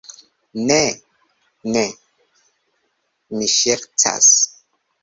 Ne, ne. Mi ŝercas.